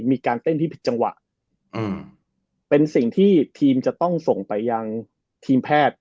มีการเต้นที่ผิดจังหวะอืมเป็นสิ่งที่ทีมจะต้องส่งไปยังทีมแพทย์